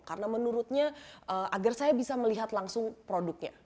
karena menurutnya agar saya bisa melihat langsung produknya